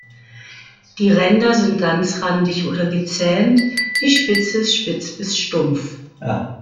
Die Ränder sind ganzrandig oder gezähnt, die Spitze ist spitz bis stumpf.